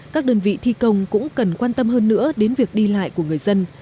các đơn vị thi công cũng cần quan tâm hơn nữa đến việc đi lại của người dân